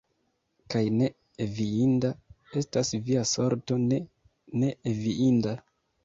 Kaj ne enviinda estas via sorto, ne, ne enviinda!